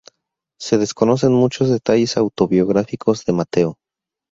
Se desconocen muchos detalles autobiográficos de Mateo.